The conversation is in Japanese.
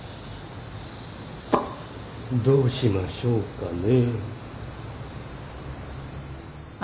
どうしましょうかね。